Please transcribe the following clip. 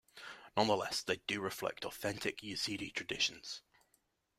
Nonetheless they do reflect authentic Yazidi traditions.